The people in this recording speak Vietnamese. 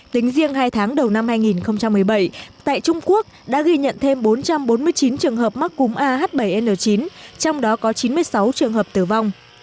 tính riêng hai tháng đầu năm hai nghìn một mươi bảy tại trung quốc đã ghi nhận thêm bốn trăm bốn mươi chín trường hợp mắc cúm ah bảy n chín trong đó có chín mươi sáu trường hợp tử vong